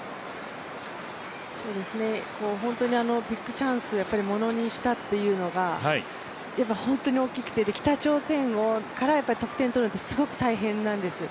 ビッグチャンス、ものにしたというのが本当に大きくて、北朝鮮から得点取るってすごく大変なんです。